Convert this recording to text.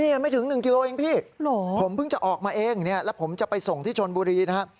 นี่ไม่ถึง๑กิโลเองพี่ผมเพิ่งจะออกมาเองเนี่ยแล้วผมจะไปส่งที่ชนบุรีนะฮะ